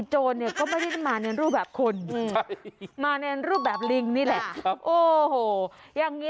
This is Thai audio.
จูดจอมาแบบนี้